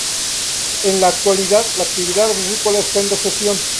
En la actualidad la actividad agrícola está en recesión.